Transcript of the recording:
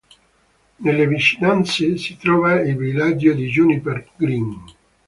Nelle vicinanze si trova il villaggio di Juniper Green.